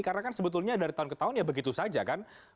karena kan sebetulnya dari tahun ke tahun ya begitu saja kan